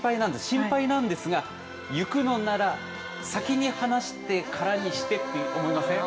心配なんですが「逝くのなら先に話してからにして」って思いません？